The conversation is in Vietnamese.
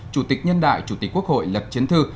chủ tịch nhân đại chủ tịch quốc hội lật chiến thư